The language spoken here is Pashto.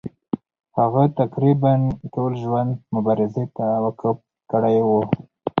هغه تقریبا ټول ژوند مبارزې ته وقف کړی وو.